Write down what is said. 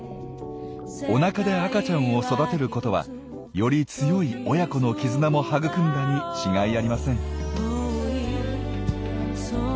おなかで赤ちゃんを育てることはより強い親子の絆も育んだに違いありません。